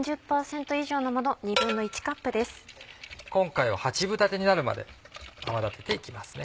今回は８分立てになるまで泡立てて行きますね。